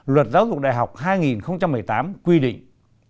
luật giáo dục đại học hai nghìn một mươi tám quy định